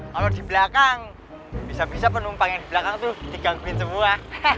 kalau di belakang bisa bisa penumpang yang di belakang tuh digangguin semua